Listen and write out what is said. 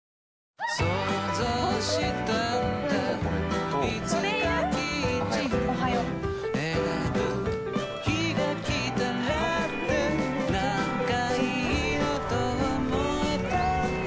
なんかいいなと思えたんだ